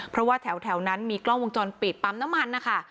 เพราะว่าแถวนั้นมีกล้องวงจรปิดปั๊มน้ำมันนะคะ